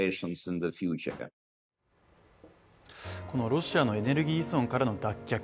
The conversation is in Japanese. ロシアのエネルギー依存からの脱却。